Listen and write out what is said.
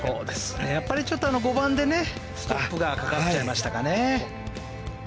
やっぱりちょっと５番でストップがかかっちゃいましたかね。